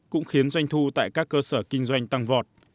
cũng khiến doanh thu tại các cơ sở kinh doanh tăng vọt